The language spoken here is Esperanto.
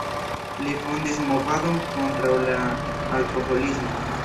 Li fondis movadon kontraŭ la alkoholismo.